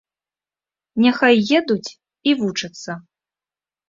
Няхай едуць і вучацца.